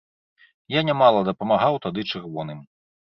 Я нямала дапамагаў тады чырвоным.